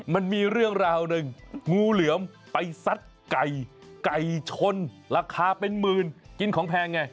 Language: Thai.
มันมีเรื่องราวหนึ่งงูเหลือมไปซัดไก่ไก่ชนราคาเป็นหมื่นกินของแพงไง